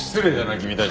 君たち。